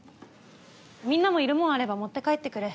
みんなもいるもんあれば持って帰ってくれ。